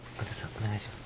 お願いします。